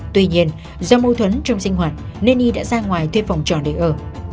tuy nhiên do mâu thuẫn trong sinh hoạt nên ý đã ra ngoài thuê phòng tròn để ở